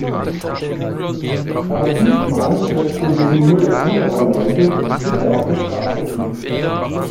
Aber diesmal lässt du den Müll anderer Leute bitte auf der Straße liegen.